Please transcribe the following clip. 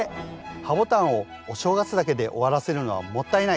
ハボタンをお正月だけで終わらせるのはもったいない！